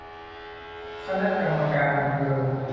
คณะกรรมการอำเภอ